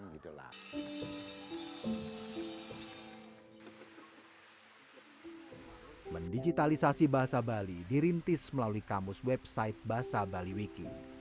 mendigitalisasi bahasa bali dirintis melalui kamus website bahasa bali wiki